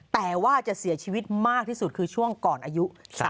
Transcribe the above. แต่ว่าจะเสียชีวิตมากที่สุดคือช่วงก่อนอายุ